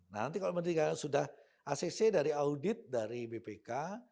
nah nanti kalau menteri keuangan sudah acc dari audit dari bpk